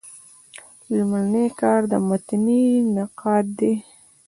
لومړنی کار د متني نقاد دﺉ.